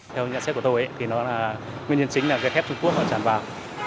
theo nhận xét của tôi nguyên nhân chính là thép trung quốc chẳng vào